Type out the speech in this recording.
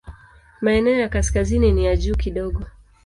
Maeneo ya kaskazini ni ya juu kidogo.